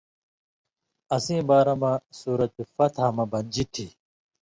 اسیں بارہ مہ سورت فتح مہ بنژی تھی۔